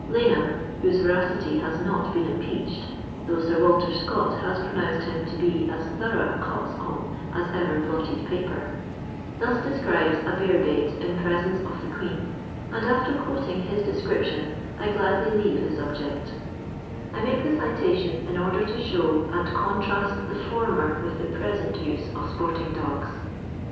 Laneham^ whose Tsraeity has not been impeached — ^though Sir Walter Scott has pronounced him to be as thorough a coxcomb as ever blotted paper — thus dooorites a bear bait in presence of the Queen, and after ({noting his description I gladly leave tho subject I oiake the citation in order to show and contrast the former with the present use of porting dogs.